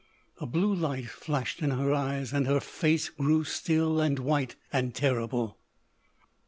A blue light flashed in her eyes and her face grew still and white and terrible.